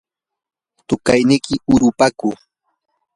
¿tuqayniki hurupaku?